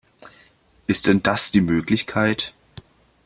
Ist denn das die Möglichkeit.